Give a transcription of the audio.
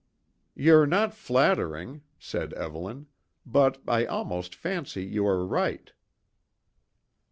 "You're not flattering," said Evelyn. "But I almost fancy you are right."